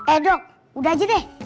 eh dok udah aja deh